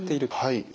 はい。